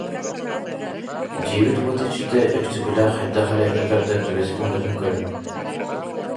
диэбит уот иччитэ, Өксөкүлээх хайдах эрэ этэ тардан дьигис гыммытын көрөн